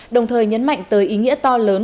đồng thời nhấn mạnh tới ý nghĩa to lớn